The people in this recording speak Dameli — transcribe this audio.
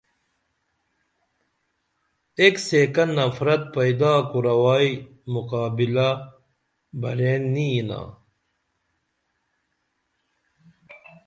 ایک سیکہ نفرت پیدا کُروائی مقابلہ برین نی یِنا